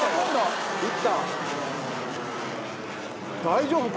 大丈夫？